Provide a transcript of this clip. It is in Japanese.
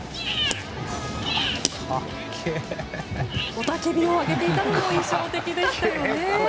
雄たけびを上げていたのも印象的でしたよね。